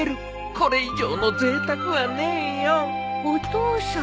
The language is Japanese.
これ以上のぜいたくはねえよ。お父さん。